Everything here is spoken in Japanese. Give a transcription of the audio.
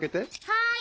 はい。